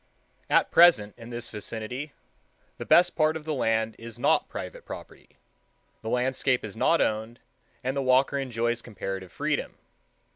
At present, in this vicinity, the best part of the land is not private property; the landscape is not owned, and the walker enjoys comparative freedom.